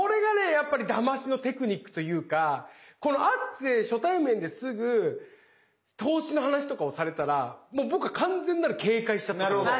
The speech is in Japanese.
やっぱりだましのテクニックというか会って初対面ですぐ投資の話とかをされたらもう僕は完全なる警戒しちゃったと思うんですよ。